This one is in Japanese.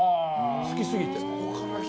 好きすぎて。